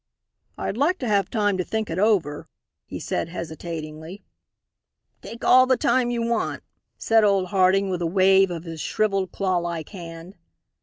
"I'd like to have time to think it over," he said, hesitatingly. "Take all the time you want," said old Harding, with a wave of his shrivelled, claw like hand.